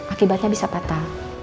akibatnya bisa patah